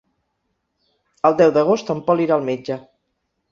El deu d'agost en Pol irà al metge.